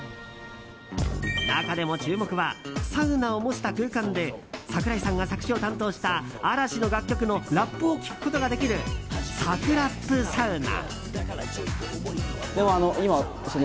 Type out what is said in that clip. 中でも注目はサウナを模した空間で櫻井さんが作詞を担当した嵐の楽曲のラップを聴くことができるサクラップサウナ。